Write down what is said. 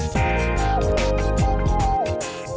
kenalin ini yasmin